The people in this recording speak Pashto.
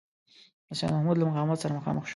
د سیدمحمود له مقاومت سره مخامخ شو.